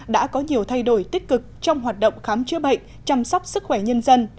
đã có nhiều thay đổi tích cực trong hoạt động khám chữa bệnh chăm sóc sức khỏe nhân dân